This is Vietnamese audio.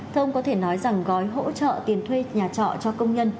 thông có thể nói rằng gói hỗ trợ tiền thuê nhà trọ cho công nhân